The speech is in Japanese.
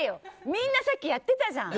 みんなさっきやってたじゃん。